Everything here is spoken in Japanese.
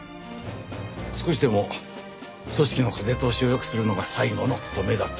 少しでも組織の風通しを良くするのが最後の務めだと。